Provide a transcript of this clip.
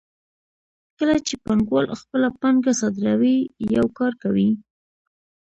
کله چې پانګوال خپله پانګه صادروي یو کار کوي